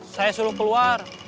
saya suruh keluar